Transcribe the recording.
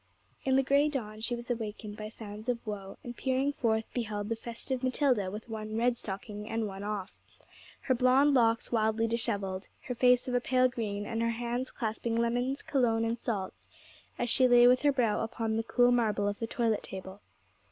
In the gray dawn she was awakened by sounds of woe, and peering forth beheld the festive Matilda with one red stocking on and one off, her blonde locks wildly dishevelled, her face of a pale green, and her hands clasping lemons, cologne, and salts, as she lay with her brow upon the cool marble of the toilet table.